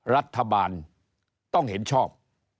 รัฐบาลต้องเห็นชอบ